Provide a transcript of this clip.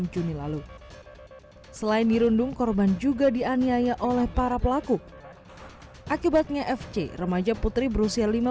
juni lalu selain dirundung korban juga dianiaya oleh para pelaku akibatnya fc remaja putri berusia